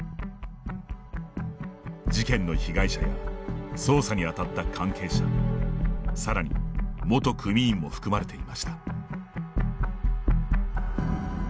事件の被害者や捜査に当たった関係者さらに元組員も含まれていました。